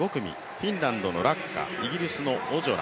フィンランドのラッカ、イギリスのオジョラ。